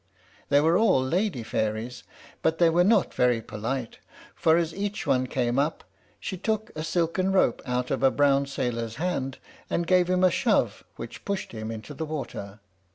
They were all lady fairies; but they were not very polite, for as each one came up she took a silken rope out of a brown sailor's hand, and gave him a shove which pushed him into the water.